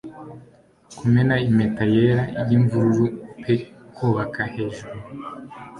Kumena impeta yera yimvururu pe kubaka hejuru